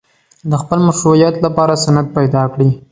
د خپل مشروعیت لپاره سند پیدا کړي.